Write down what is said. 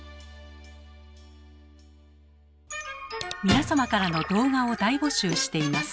皆様からの動画を大募集しています。